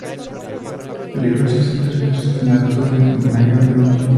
El libro se centra en el asesinato de Myra Duffy.